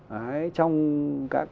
đấy trong các